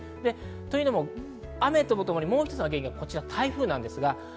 というのも雨とともにもう一つの原因が台風です。